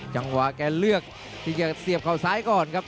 โอ้โหไม่ไหวครับเลือดนี้เข้าตาครับ